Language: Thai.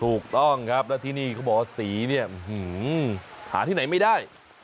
ถูกต้องครับแล้วที่นี่เขาบอกว่าสีเนี่ยหาที่ไหนไม่ได้